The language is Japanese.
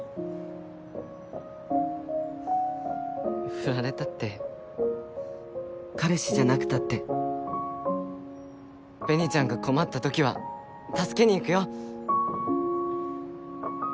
フラれたって彼氏じゃなくたって紅ちゃんが困った時は助けに行くよ。